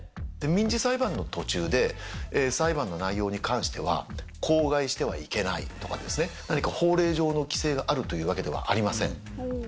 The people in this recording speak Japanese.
民事裁判の途中で、裁判の内容に関しては、口外してはいけないとかですね、何か法令上の規制があるというわけではありません。